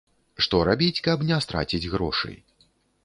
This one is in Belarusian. Што рабіць, каб не страціць грошы.